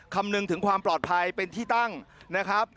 คำนึงถึงความปลอดภัยเป็นที่ตั้งนะครับ